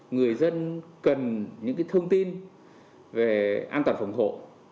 người dân cần những thông tin về an toàn phòng hộ